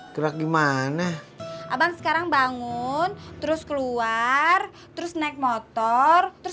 gerak gimana abang sekarang bangun terus keluar terus naik motor terus